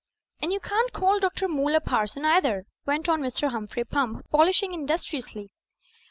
"And you can't call Dr. Moole a parson either," went on Mr. Humphrey Pump, polishing industrious ly.